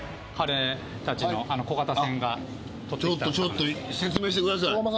ちょっとちょっと説明してください。